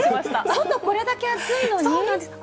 まだこれだけ暑いのに？